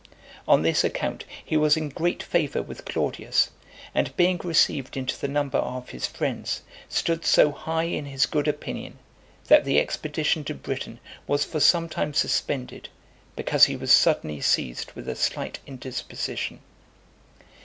On this account, he was in great favour with Claudius, and being received into the number of his friends, stood so high in his good opinion, that the expedition to Britain was for some time suspended, because he was suddenly seized with a slight indisposition.